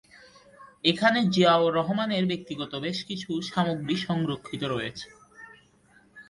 এখানে জিয়াউর রহমানের ব্যক্তিগত বেশ কিছু সামগ্রী সংরক্ষিত রয়েছে।